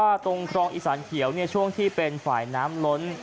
เพราะว่าตรงทรองอีสานเขียวเนี่ยช่วงที่เป็นฝ่ายน้ำล้น